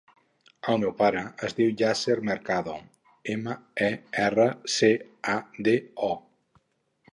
El meu pare es diu Yasser Mercado: ema, e, erra, ce, a, de, o.